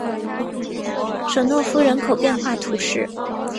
舍诺夫人口变化图示